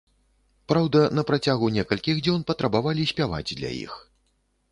Праўда, на працягу некалькіх дзён патрабавалі спяваць для іх.